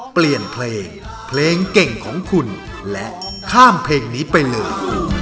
เปลี่ยนเพลงเพลงเก่งของคุณและข้ามเพลงนี้ไปเลย